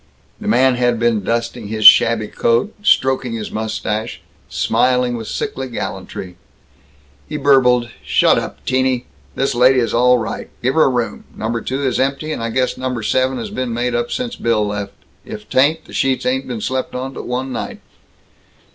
The man had been dusting his shabby coat, stroking his mustache, smiling with sickly gallantry. He burbled, "Shut up, Teenie. This lady is all right. Give her a room. Number 2 is empty, and I guess Number 7 has been made up since Bill left if 'tain't, the sheets ain't been slept on but one night."